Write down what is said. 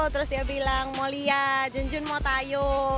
terus dia bilang mau lihat junjun mau tayo